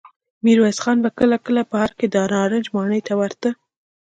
ميرويس خان به کله کله په ارګ کې د نارنج ماڼۍ ته ورته.